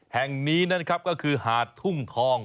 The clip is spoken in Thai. แห่งนี้นะครับก็คือหาดทุ่งทอง